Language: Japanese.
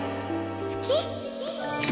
好き！